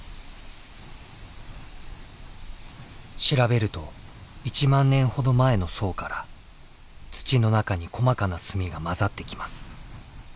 調べると１万年ほど前の層から土の中に細かな炭が混ざってきます。